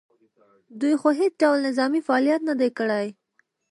دوی خو هېڅ ډول نظامي فعالیت نه دی کړی